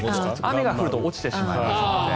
雨が降ると落ちてしまうので。